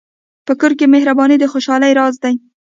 په کور کې مهرباني د خوشحالۍ راز دی.